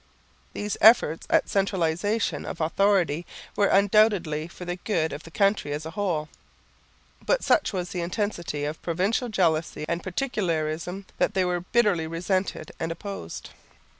These efforts at centralisation of authority were undoubtedly for the good of the country as a whole, but such was the intensity of provincial jealousy and particularism that they were bitterly resented and opposed.